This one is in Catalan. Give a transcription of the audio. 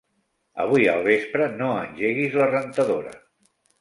Avui al vespre no engeguis la rentadora.